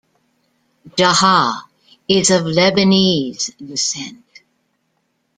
Jaha is of Lebanese descent.